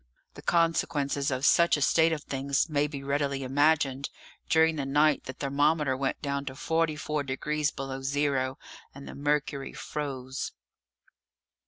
The consequences of such a state of things may be readily imagined; during the night the thermometer went down to 44 degrees below zero, and the mercury froze.